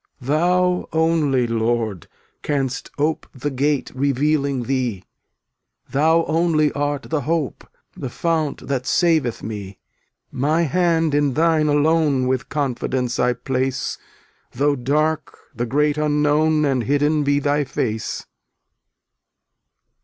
302 Thou only, Lord, canst ope The gate revealing Thee, Thou only art the hope, The fount that saveth me. My hand in Thine alone With confidence I place Though dark the great Unknown And hidden be Thy tace.